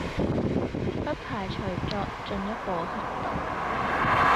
不排除作進一步行動